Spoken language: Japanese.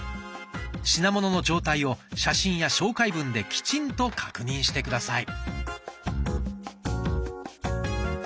品物の状態を写真や紹介文できちんと確認して下さい。